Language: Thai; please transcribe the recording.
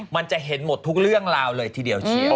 มันจะเห็นหมดทุกเรื่องราวเลยทีเดียวเชียว